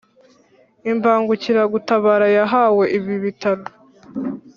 Imbangukiragutabara yahawe ibi bitaro